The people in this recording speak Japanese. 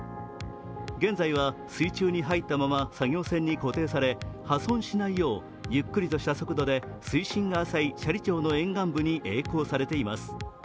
現在は、水中に入ったまま作業船に固定され破損しないよう、ゆっくりとした速度で水深が浅い斜里町の沿岸部にえい航されています。